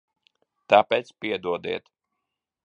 Tāpēc piedodiet.